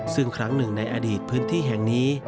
ซึ่งครั้งหนึ่งในอดีตพื้นที่แห่งนี้